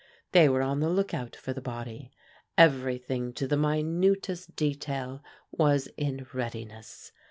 They were on the lookout for the body. Everything, to the minutest detail, was in readiness.